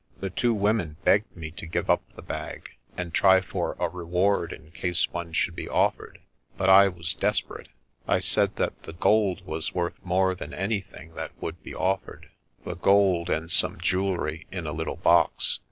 The two women begged me to give up the bag, and try for a reward in case one should be offered, but I was desperate. I said that the gold was worth more than anything that would be offered — ^the gold, and some jewelry in a little box.